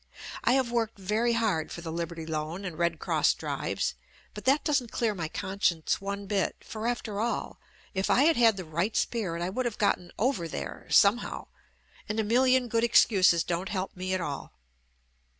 I have worked very hard for the Liberty Loan and Red Cross Drives, but that doesn't clear my conscience one bit, for after all if I had had the right spirit I would have gotten "over there" some how and a million good excuses don't help me at all.